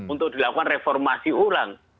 untuk dilakukan reformasi ulang